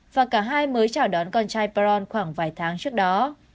và cả hai mới chào đón con trai pron khoảng vài tháng trước đó